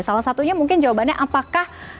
salah satunya mungkin jawabannya apakah